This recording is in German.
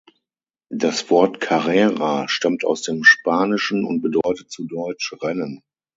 Das Wort „Carrera“ stammt aus dem Spanischen und bedeutet zu Deutsch „Rennen“.